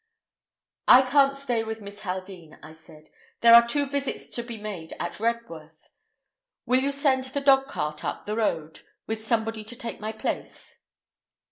"I can't stay with Mrs. Haldean," I said. "There are two visits to be made at Rebworth. Will you send the dogcart up the road with somebody to take my place?"